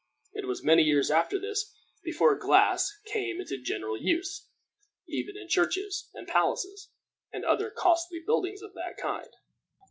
It was many years after this before glass came into general use even in churches, and palaces, and other costly buildings of that kind.